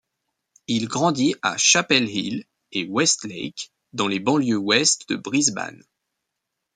Il grandit à Chapel Hill et Westlake, dans les banlieues ouest de Brisbane.